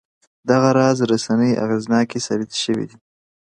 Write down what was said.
دغه راز رسنۍ اغېزناکې ثابتې شوې.